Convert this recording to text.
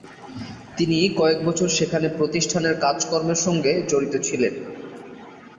তিনি কয়েক বছর সেখানে প্রতিষ্ঠানের কাজকর্মের সঙ্গে জড়িত থাকেন।